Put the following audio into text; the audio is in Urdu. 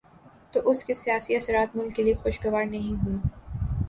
تو اس کے سیاسی اثرات ملک کے لیے خوشگوار نہیں ہوں۔